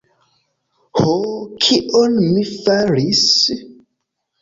Ho, kion mi faris?